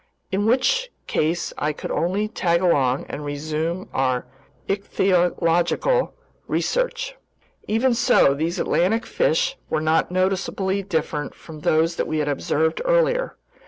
In which case I could only tag along and resume our ichthyological research. Even so, these Atlantic fish were not noticeably different from those we had observed earlier.